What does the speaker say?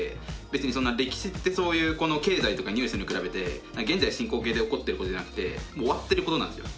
別に歴史ってそういうこの経済とかニュースに比べて現在進行形で起こってることじゃなくて終わってることなんですよ。